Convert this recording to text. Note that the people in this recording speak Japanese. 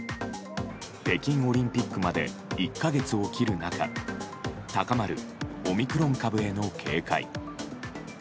北京オリンピックまで１か月を切る中高まるオミクロン株への警戒。